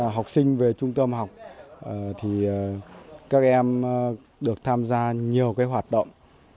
học sinh về trung tâm học thì các em được tham gia nhiều hoạt động